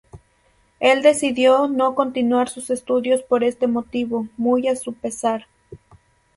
Él decidió no continuar sus estudios por este motivo, muy a su pesar.